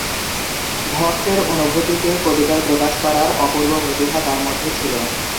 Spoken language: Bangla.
ভক্তের অনুভূতিকে কবিতায় প্রকাশ করার অপূর্ব প্রতিভা তার মধ্যে ছিল।